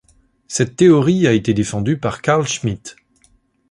Cette théorie a été défendue par Carl Schmitt.